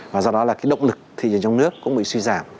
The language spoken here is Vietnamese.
và do đó là cái động lực thị trường trong nước cũng bị suy giảm